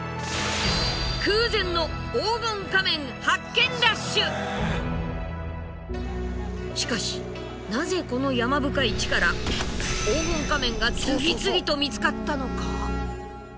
空前のしかしなぜこの山深い地から黄金仮面が次々と見つかったのか？